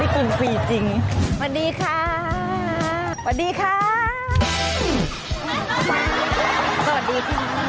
กินไปเลย